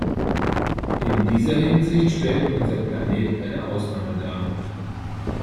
In dieser Hinsicht stellt unser Planet eine Ausnahme dar.